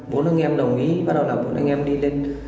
bốn anh em đồng ý bắt đầu là bọn anh em đi lên